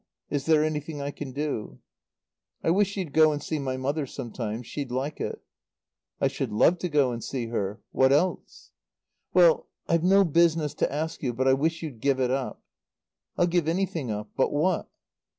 Is there anything I can do?" "I wish you'd go and see my mother some time. She'd like it." "I should love to go and see her. What else?" "Well I've no business to ask you, but I wish you'd give it up." "I'll give anything up. But what?"